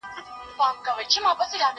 زه به اوږده موده د ليکلو تمرين کړی وم!؟